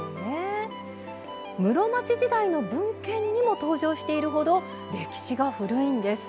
室町時代の文献にも登場しているほど歴史が古いんです。